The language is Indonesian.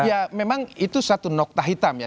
ya memang itu satu nokta hitam ya